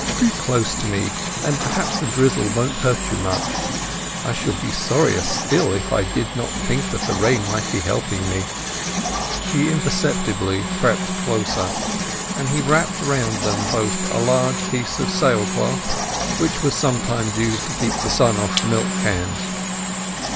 "Creep close to me, and perhaps the drizzle won't hurt you much. I should be sorrier still if I did not think that the rain might be helping me." She imperceptibly crept closer, and he wrapped round them both a large piece of sail cloth, which was sometimes used to keep the sun off the milk cans.